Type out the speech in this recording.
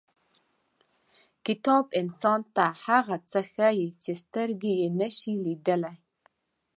• کتاب انسان ته هغه څه ښیي چې سترګې یې نشي لیدلی.